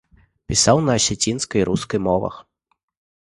Пісаў на асецінскай і рускай мовах.